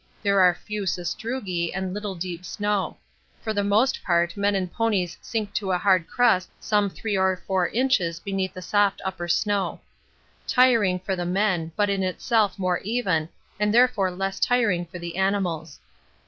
There are few sastrugi and little deep snow. For the most part men and ponies sink to a hard crust some 3 or 4 inches beneath the soft upper snow. Tiring for the men, but in itself more even, and therefore less tiring for the animals.